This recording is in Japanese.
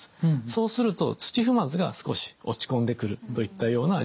そうすると土踏まずが少し落ち込んでくるといったような状態になります。